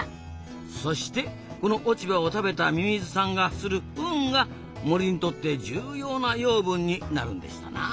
そしてこの落ち葉を食べたミミズさんがするフンが森にとって重要な養分になるんでしたなぁ。